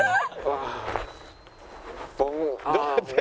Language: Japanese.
ああ。